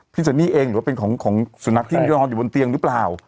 สันนี่เองหรือว่าเป็นของสุนัขที่นอนอยู่บนเตียงหรือเปล่า